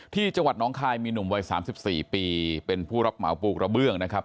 ที่จังหวัดน้องคายมีหนุ่มวัย๓๔ปีเป็นผู้รับเหมาปลูกกระเบื้องนะครับ